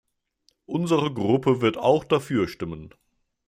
Unsere Gruppe wird auch dafür stimmen.